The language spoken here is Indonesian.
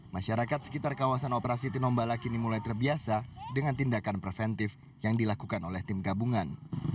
masyarakat sekitar kawasan operasi tinombala kini mulai terbiasa dengan tindakan preventif yang dilakukan oleh tim gabungan